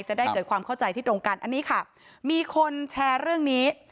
จะได้เกิดความเข้าใจที่ตรงกันอันนี้ค่ะมีคนแชร์เรื่องนี้